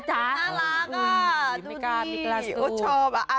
ดูนี่ก็ชอบ